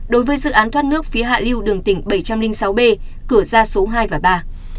đối với dự án thoát nước phía hạ lưu đường tỉnh bảy trăm linh sáu b cửa ra số hai và ba